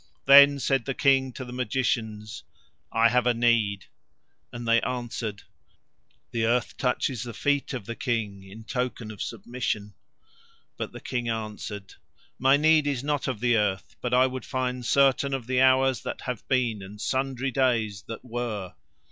Then said the King to the magicians: "I have a need." And they answered: "The earth touches the feet of the King in token of submission." But the King answered: "My need is not of the earth; but I would find certain of the hours that have been, and sundry days that were."